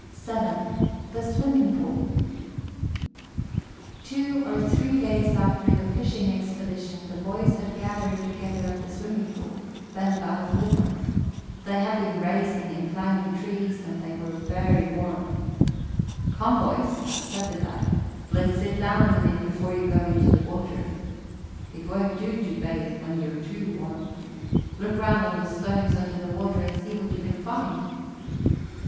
VII THE SWIMMING POOL Two or three days after the fishing expedition the boys had gathered together at the swimming pool, Ben Gile with them. They had been racing, and climbing trees, and were very warm. "Come, boys," said the guide, "let's sit down a minute before you go into the water. It won't do to bathe when you're too warm. Look round on the stones under the water and see what you can find."